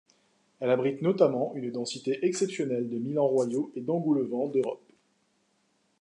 Elle abrite notamment une densité exceptionnelle de milans royaux et d'engoulevents d'Europe.